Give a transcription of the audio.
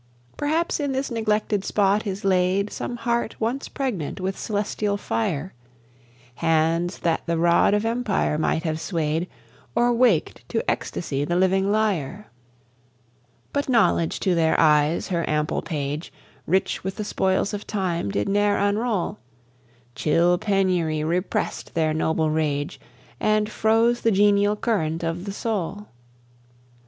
Perhaps in this neglected spot is laid Some heart once pregnant with celestial fire, Hands that the rod of empire might have sway'd, Or waked to ecstasy the living lyre. But Knowledge to their eyes her ample page Rich with the spoils of time did ne'er unroll; Chill Penury repress'd their noble rage, And froze the genial current of the soul.